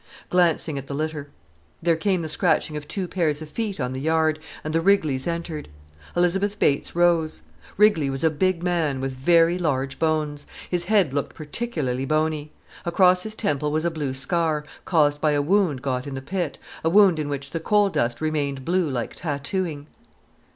—glancing at the litter. There came the scratching of two pairs of feet on the yard, and the Rigleys entered. Elizabeth Bates rose. Rigley was a big man, with very large bones. His head looked particularly bony. Across his temple was a blue scar, caused by a wound got in the pit, a wound in which the coal dust remained blue like tattooing.